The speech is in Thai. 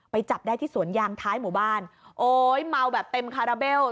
จับได้ที่สวนยางท้ายหมู่บ้านโอ๊ยเมาแบบเต็มคาราเบล